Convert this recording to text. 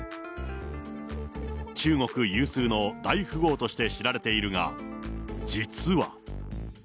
中国有数の大富豪として知られているが、実は。